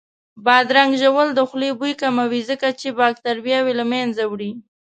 بادرنګ ژوول د خولې بوی کموي ځکه چې باکتریاوې له منځه وړي